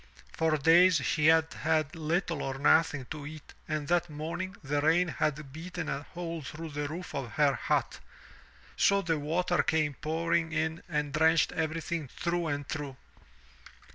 For days she had had little or nothing to eat and that morning the rain had beaten a hole through the roof of her hut, so the water came pouring in and drenched everything through and through.